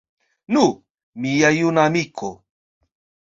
Nu, mia juna amiko!